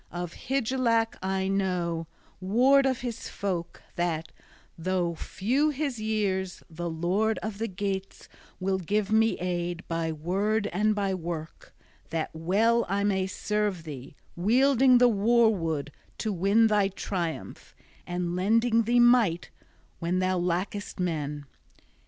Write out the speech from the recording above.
Of Hygelac I know, ward of his folk, that, though few his years, the lord of the Geats will give me aid by word and by work, that well I may serve thee, wielding the war wood to win thy triumph and lending thee might when thou lackest men.